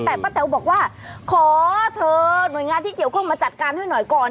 แต่ป้าแต๋วบอกว่าขอเธอหน่วยงานที่เกี่ยวข้องมาจัดการให้หน่อยก่อน